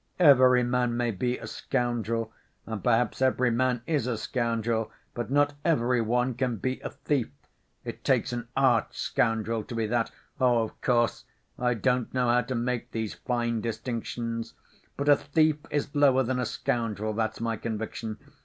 Every man may be a scoundrel, and perhaps every man is a scoundrel, but not every one can be a thief, it takes an arch‐scoundrel to be that. Oh, of course, I don't know how to make these fine distinctions ... but a thief is lower than a scoundrel, that's my conviction.